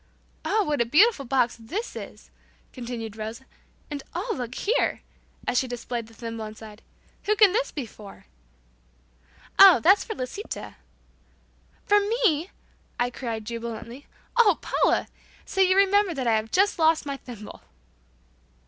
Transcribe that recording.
"Oh, what a beautiful box this is," continued Rosa, "and, oh, look here," as she displayed the thimble inside. "Who can this be for?" "Oh, that's for Lisita." "For me," I cried, jubilantly, "oh, Paula! So you remembered that I have just lost my thimble."